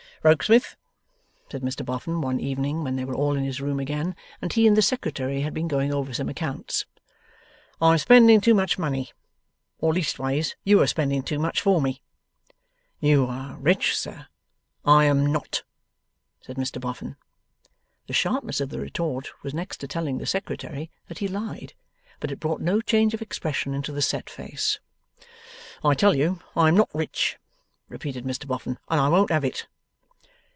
'Rokesmith,' said Mr Boffin one evening when they were all in his room again, and he and the Secretary had been going over some accounts, 'I am spending too much money. Or leastways, you are spending too much for me.' 'You are rich, sir.' 'I am not,' said Mr Boffin. The sharpness of the retort was next to telling the Secretary that he lied. But it brought no change of expression into the set face. 'I tell you I am not rich,' repeated Mr Boffin, 'and I won't have it.